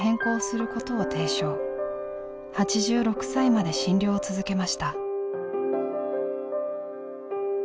８６歳まで診療を続けました。